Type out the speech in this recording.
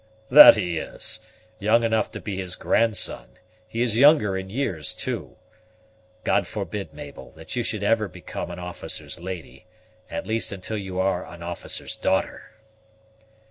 "That he is young enough to be his grandson; he is younger in years, too. God forbid, Mabel, that you should ever become an officer's lady, at least until you are an officer's daughter!"